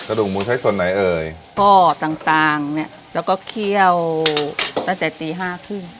ดูหมูใช้ส่วนไหนเอ่ยก็ต่างต่างเนี้ยแล้วก็เคี่ยวตั้งแต่ตีห้าครึ่ง